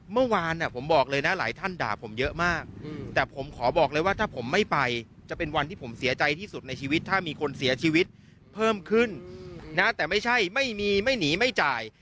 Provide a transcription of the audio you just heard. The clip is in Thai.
เมื่อวานผมบอกเลยนะหลายท่านด่าผมเยอะมากแต่ผมขอบอกเลยว่าถ้าผมไม่ไปจะเป็นวันที่ผมเสียใจที่สุดในชีวิตถ้ามีคนเสียชีวิตเพิ่มขึ้นนะแต่ไม่ใช่ไม่มีไม่หนีไม่จ่าย